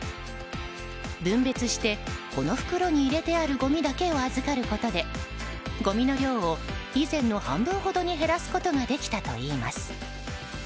分別して、この袋に入れてあるごみだけを預かることでごみの量を以前の半分ほどに減らすことができたといいます。